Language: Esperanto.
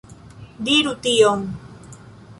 Diru tion.